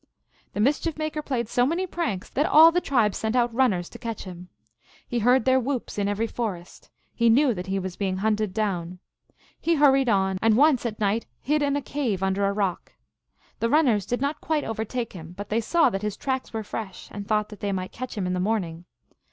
The Mischief Maker played so many pranks that all the tribes sent out runners to catch him. He heard THE MERRY TALES OF LOX. 201 their whoops in every forest. He knew that he was being hunted down. He hurried on, and once at iii lit hid in a cave under a rock. The runners did o not quite overtake him, but they saw that his tracks were fresh, and thought they might catch him in the morning.